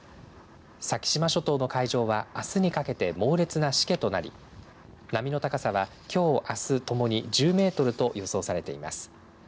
先島諸島の海上はあすにかけて猛烈なしけとなり波の高さは、きょうあすともに１０メートルと予想されています。